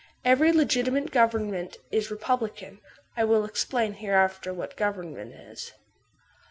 Every legiti mate government is republican;* I will explain hereafter what government is.